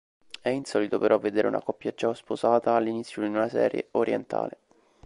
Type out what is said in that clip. È insolito però vedere una coppia già sposata all'inizio di una serie orientale.